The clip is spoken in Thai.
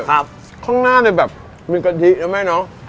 ข้างหน้ามินกะทิในแม่น้อง